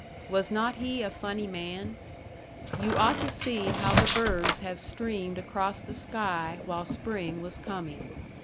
Was not he a funny man? You ought to see how the birds have streamed across the sky while Spring was coming.